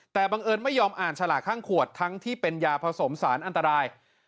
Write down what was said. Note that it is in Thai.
แต่บังเอิญไม่ยอมอ่านฉลากข้างขวดทั้งที่เป็นยาผสมสารอันตราย